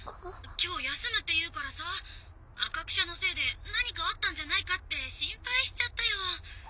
今日休むって言うからさ赤くしゃのせいで何かあったんじゃないかって心配しちゃったよ。